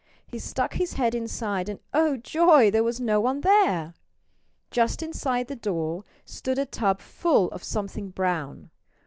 He stuck his head inside and oh, joy! there was no one there. Just inside the door stood a tub full of something brown.